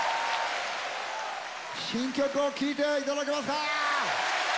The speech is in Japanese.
新曲を聴いてはいただけますか？